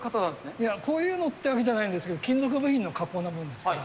いや、こういうのってわけじゃないんですけど、金属部品の加工なもんですから。